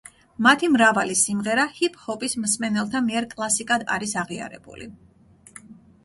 მათი მრავალი სიმღერა ჰიპ-ჰოპის მსმენელთა მიერ კლასიკად არის აღიარებული.